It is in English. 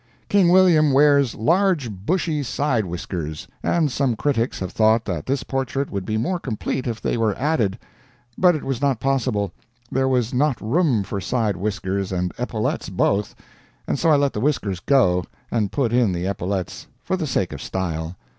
King William wears large bushy side whiskers, and some critics have thought that this portrait would be more complete if they were added. But it was not possible. There was not room for side whiskers and epaulets both, and so I let the whiskers go, and put in the epaulets, for the sake of style.